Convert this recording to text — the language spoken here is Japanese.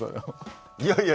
いやいや。